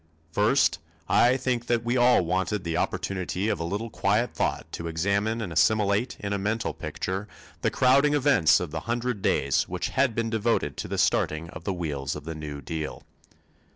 First, I think that we all wanted the opportunity of a little quiet thought to examine and assimilate in a mental picture the crowding events of the hundred days which had been devoted to the starting of the wheels of the New Deal.